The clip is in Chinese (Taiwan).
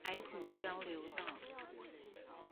海埔交流道